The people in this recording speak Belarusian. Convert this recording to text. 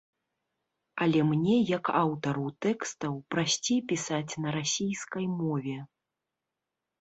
Але мне, як аўтару тэкстаў, прасцей пісаць на расійскай мове.